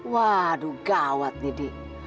waduh gawat nih dik